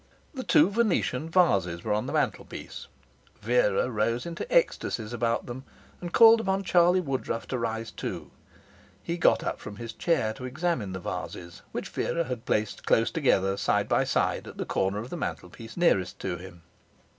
The two Venetian vases were on the mantelpiece. Vera rose into ecstasies about them, and called upon Charlie Woodruff to rise too. He got up from his chair to examine the vases, which Vera had placed close together side by side at the corner of the mantelpiece nearest to him.